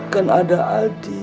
kan ada aldi